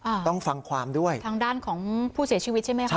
อ่าต้องฟังความด้วยทางด้านของผู้เสียชีวิตใช่ไหมคะ